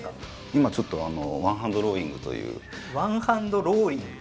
今ちょっとワンハンドローイング。